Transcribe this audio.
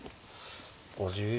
５０秒。